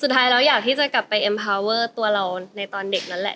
เราอยากที่จะกลับไปเอ็มพาเวอร์ตัวเราในตอนเด็กนั้นแหละ